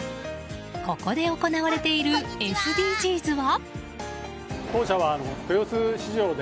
ここで行われているＳＤＧｓは？